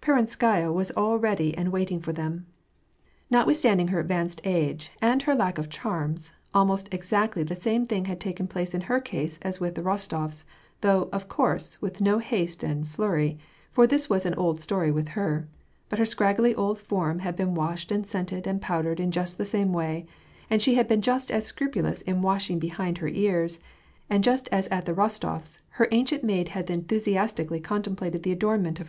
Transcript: Peronskaya was all ready and waiting for them. Notwith (> WAR AND PEACE. 201 standing her advanced age, and her lack of charms, almost ex actly the same thing had taken place in her case as with the Ros tofs, though, of course, with no haste and flurry, for this was an old story with her ; but her scraggy old form had been washed and scented and powdered in just the same way, and she had been just as scrupulous in washing behind her ears ; and just as at the Kostofs', her ancient maid had enthusiasti cally contemplated the adornment of